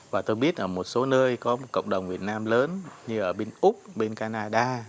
và tôi biết ở một số nơi có một cộng đồng việt nam lớn như ở bên úc bên canada